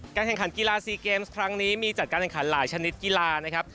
แข่งขันกีฬาซีเกมส์ครั้งนี้มีจัดการแข่งขันหลายชนิดกีฬานะครับ